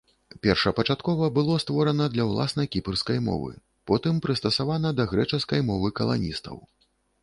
Першапачаткова было створана для ўласна кіпрскай мовы, потым прыстасавана да грэчаскай мовы каланістаў.